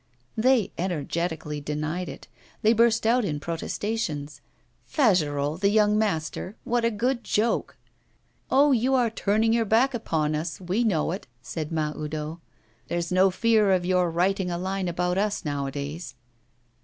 They energetically denied it; they burst out in protestations. Fagerolles, the young master! What a good joke! 'Oh, you are turning your back upon us, we know it,' said Mahoudeau. 'There's no fear of your writing a line about us nowadays.